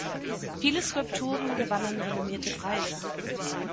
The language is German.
Viele Skulpturen gewannen renommierte Preise.